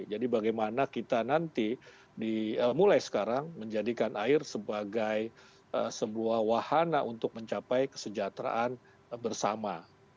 jadi bagaimana kita nanti mulai sekarang menjadikan air sebagai sebuah wahana untuk mencapai kesejahteraan bersama